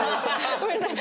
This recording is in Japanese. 「ごめんなさい」。